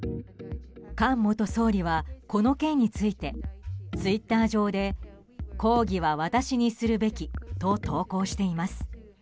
菅元総理は、この件についてツイッター上で抗議は私にするべきと投稿しています。